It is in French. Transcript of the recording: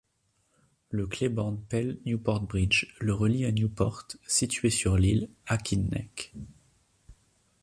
Le Claiborne Pell Newport Bridge le relie à Newport située sur l'île Aquidneck.